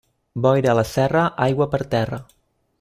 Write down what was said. Boira a la serra, aigua per terra.